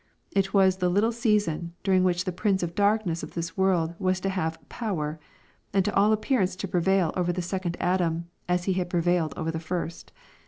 It was the little season, during which the prince of the darkness of this world was to have " power," and to all appearance to prevail over the second Adam, as he had prevailed over the first.